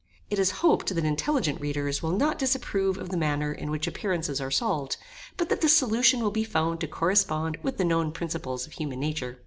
It is hoped that intelligent readers will not disapprove of the manner in which appearances are solved, but that the solution will be found to correspond with the known principles of human nature.